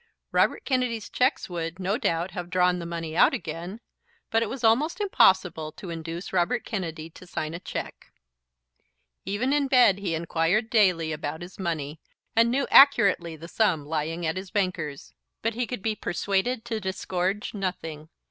Robert Kennedy's cheques would, no doubt, have drawn the money out again; but it was almost impossible to induce Robert Kennedy to sign a cheque. Even in bed he inquired daily about his money, and knew accurately the sum lying at his banker's; but he could be persuaded to disgorge nothing.